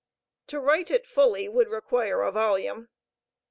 To write it fully would require a volume.